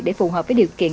để phù hợp với điều kiện